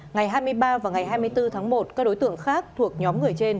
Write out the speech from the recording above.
ngày hai mươi ba và ngày hai mươi bốn tháng một các đối tượng khác thuộc nhóm người trên